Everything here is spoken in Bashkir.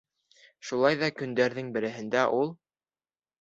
Шулай ҙа көндәрҙең береһендә ул: